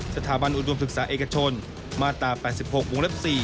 สถาบันอุดมศึกษาเอกชนมาตรา๘๖วงเล็บ๔